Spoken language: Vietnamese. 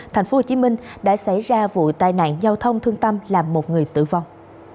thành phố hồ chí minh đã xảy ra vụ tai nạn giao thông thương tâm làm một người tử vong